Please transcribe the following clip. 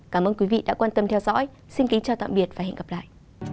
cảm ơn quý vị đã quan tâm theo dõi xin kính chào tạm biệt và hẹn gặp lại